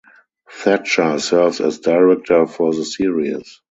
Thatcher serves as director for the series.